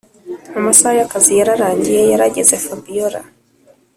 amasaha yakazi yararangiye yarageze fabiora